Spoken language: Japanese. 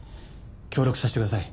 協力させてください。